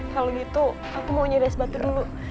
kalau gitu aku mau nyedihkan batu dulu